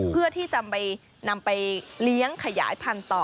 เพื่อที่จะไปนำไปเลี้ยงขยายพันธุ์ต่อ